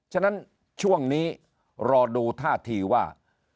ฉะนั้นช่วงนี้รอดูท่าทีว่า